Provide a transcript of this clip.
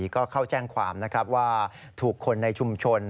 ก็เข้าแจ้งความว่าถูกคนในชุมชน